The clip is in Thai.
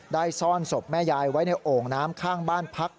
ซ่อนศพแม่ยายไว้ในโอ่งน้ำข้างบ้านพัก